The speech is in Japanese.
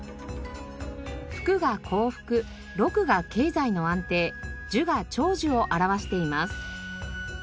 「福」が幸福「禄」が経済の安定「寿」が長寿を表しています。